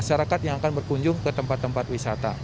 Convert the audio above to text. masyarakat yang akan berkunjung ke tempat tempat wisata